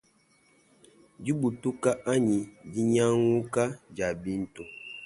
Dibutuka anyi dinyanguka dia bintu.